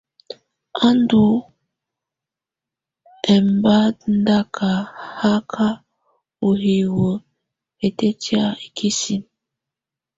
Á ndù ɔmbadaka haka ù hiwǝ hɛtɛtɛ̀á ikisinǝ.